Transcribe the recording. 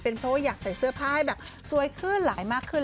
เพราะว่าอยากใส่เสื้อผ้าให้แบบสวยขึ้นหลายมากขึ้น